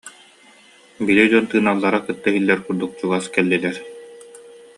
Били дьон тыыналлара кытта иһиллэр курдук чугас кэллилэр